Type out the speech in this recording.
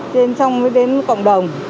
trên trong mới đến cộng đồng